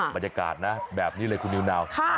บรรยากาศนะแบบนี้เลยคุณนิวนาว